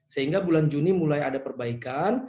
sehingga bulan juni mulai ada perbaikan